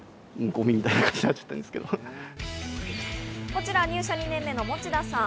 こちら入社２年目の持田さん。